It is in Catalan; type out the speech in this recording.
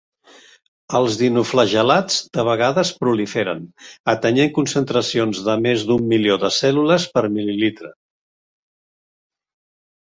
Els dinoflagel·lats de vegades proliferen, atenyent concentracions de més d'un milió de cèl·lules per mil·lilitre.